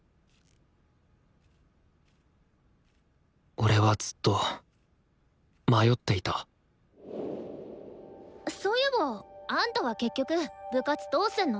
俺はずっと迷っていたそういえばあんたは結局部活どうすんの？